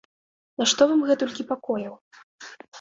Нашто вам гэтулькі пакояў?